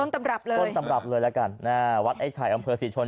ตำรับเลยต้นตำรับเลยละกันวัดไอ้ไข่อำเภอศรีชน